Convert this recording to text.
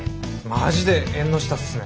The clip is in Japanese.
マジで縁の下っすね。